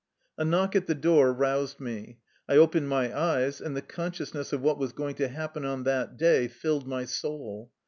A knock at the door roused me. I opened my eyes, and the consciousness of what was going to happen on that day filled my soul.